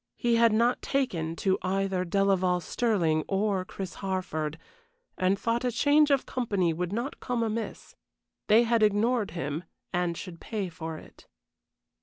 He had not taken to either Delaval Stirling or Chris Harford, and thought a change of company would not come amiss. They had ignored him, and should pay for it.